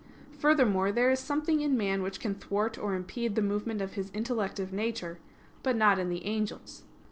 Furthermore, there is something in man which can thwart or impede the movement of his intellective nature; but not in the angels.